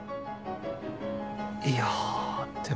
いやでも。